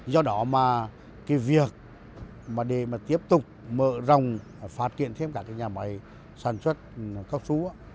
do đó việc tiếp tục mở rồng phát triển thêm các nhà máy sản xuất cao su